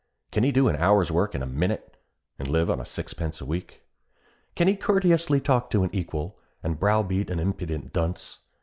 Can he do an hour's work in a minute, and live on a sixpence a week? Can he courteously talk to an equal, and browbeat an impudent dunce?